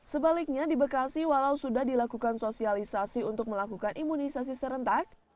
sebaliknya di bekasi walau sudah dilakukan sosialisasi untuk melakukan imunisasi serentak